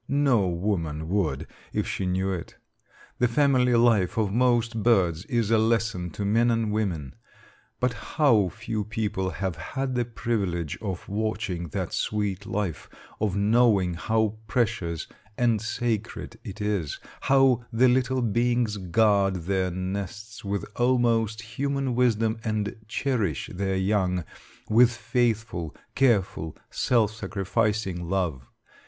No woman would if she knew it. The family life of most birds is a lesson to men and women. But how few people have had the privilege of watching that sweet life; of knowing how precious and sacred it is; how the little beings guard their nests with almost human wisdom and cherish their young with faithful, careful, self sacrificing love!